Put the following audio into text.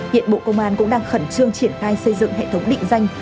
hiện bộ công an cũng đang khẩn trương triển khai xây dựng hệ thống định danh